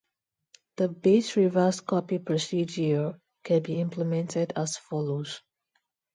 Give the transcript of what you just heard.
The bit-reverse-copy procedure can be implemented as follows.